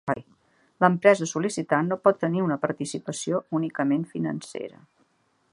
L'empresa sol·licitant no pot tenir una participació únicament financera.